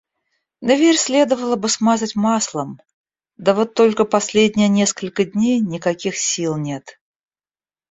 Дверь следовало бы смазать маслом, да вот только последние несколько дней никаких сил нет.